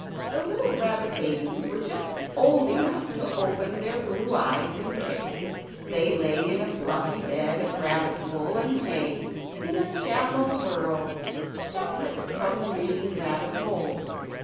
The little rabbit babies were just old enough to open their blue eyes and kick. They lay in a fluffy bed of rabbit wool and hay, in a shallow burrow, separate from the main rabbit hole.